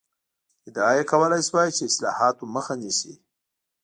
ادعا یې کولای شوای چې اصلاحاتو مخه نیسي.